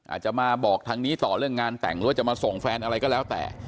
อาจจะมาบอกทางนี้ต่อเรื่องงานแต่งหรือว่าจะมาส่งแฟนอะไรก็แล้วแต่